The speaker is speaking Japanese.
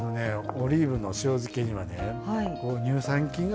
オリーブの塩漬けにはね乳酸菌が入ってます。